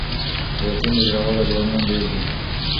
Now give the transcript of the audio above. د یتیم د ژړولو ځوانان ډیر دي